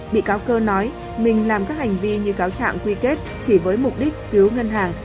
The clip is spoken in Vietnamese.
bị cáo cơ nói mình làm các hành vi như cáo trạng quy kết chỉ với mục đích cứu ngân hàng